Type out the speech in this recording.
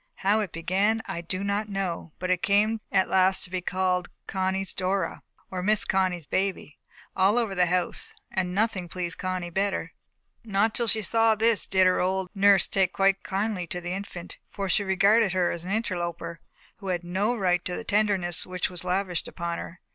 How it began, I do not know, but it came at last to be called Connie's Dora, or Miss Connie's baby, all over the house, and nothing pleased Connie better. Not till she saw this did her old nurse take quite kindly to the infant; for she regarded her as an interloper, who had no right to the tenderness which was lavished upon her.